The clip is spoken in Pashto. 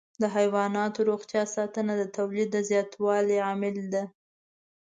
د حيواناتو روغتیا ساتنه د تولید د زیاتوالي عامل ده.